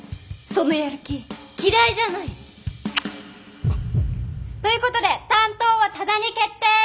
そのやる気嫌いじゃない！ということで担当は多田に決定！